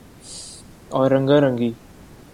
اور رنگا رنگی